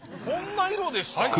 こんな色でした？